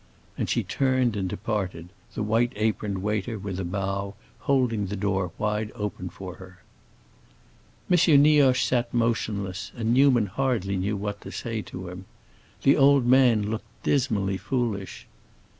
And she turned and departed, the white aproned waiter, with a bow, holding the door wide open for her. M. Nioche sat motionless, and Newman hardly knew what to say to him. The old man looked dismally foolish.